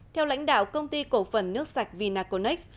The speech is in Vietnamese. theo lãnh đạo công ty cổ phần nước sạch vinaconex